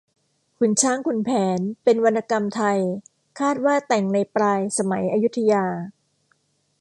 ขุนช้างขุนแผนเป็นวรรณกรรมไทย คาดว่าแต่งในปลายสมัยอยุธยา